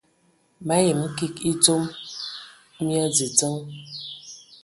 Ma yəm kig edzom mia dzədzəŋ.